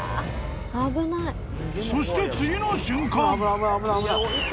［そして次の瞬間］